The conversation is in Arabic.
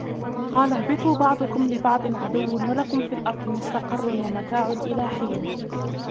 قَالَ اهْبِطُوا بَعْضُكُمْ لِبَعْضٍ عَدُوٌّ وَلَكُمْ فِي الْأَرْضِ مُسْتَقَرٌّ وَمَتَاعٌ إِلَى حِينٍ